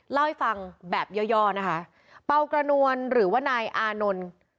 เล่าให้ฟังแบบย่อนะคะเป่ากระนวลหรือว่านายอานนท์